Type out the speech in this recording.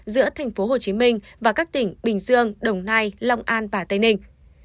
giữa tp hcm và các tỉnh bình dương đồng nai long an và tây ninh